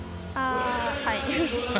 はい。